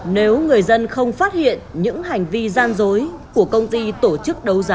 mọi chuyện có lẽ êm xuôi